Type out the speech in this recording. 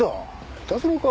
いたずらか？